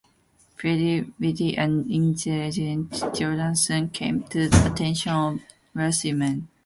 Pretty, witty and intelligent, Jordan soon came to the attention of wealthy men.